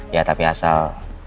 ya tapi asal